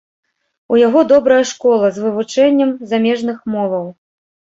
У яго добрая школа, з вывучэннем замежных моваў.